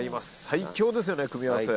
最強ですよね組み合わせ。